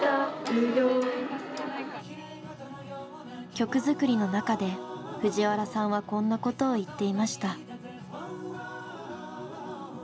曲作りの中で藤原さんはこんなことを言っていました。